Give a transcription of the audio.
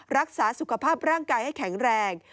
รักษาสุขภาพร่างกายให้แข็งแรง